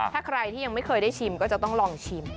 ถ้าใครที่ยังไม่เคยได้ชิมก็จะต้องลองชิม